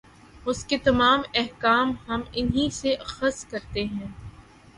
اُس کے تمام احکام ہم اِنھی سے اخذ کرتے ہیں